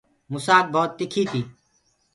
مُسآڪ ڀوت تِکي تي۔